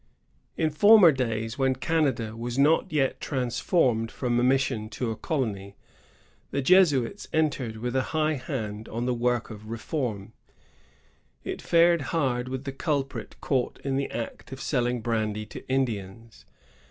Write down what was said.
In former days, when Canada was not yet trans formed from a mission to a colony, the Jesuits entered with ^ high hand on the work of reform. It fared hard with the culprit caught in the act of selling brandy to Indians.